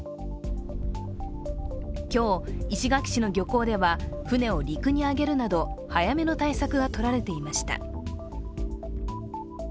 今日、石垣市の漁港では船を陸にあげるなど早めの対策が取られていました。